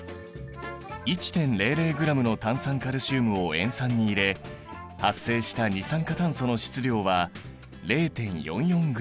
１．００ｇの炭酸カルシウムを塩酸に入れ発生した二酸化炭素の質量は０．４４ｇ。